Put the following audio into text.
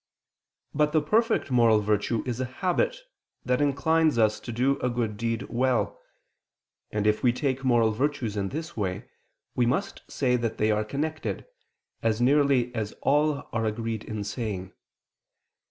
But the perfect moral virtue is a habit that inclines us to do a good deed well; and if we take moral virtues in this way, we must say that they are connected, as nearly as all are agreed in saying.